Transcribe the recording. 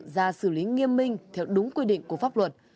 và nghiêm minh theo đúng quy định của pháp luật